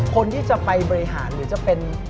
คนที่จะไปบริหารหรือจะเป็น